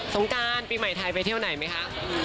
งการปีใหม่ไทยไปเที่ยวไหนไหมคะ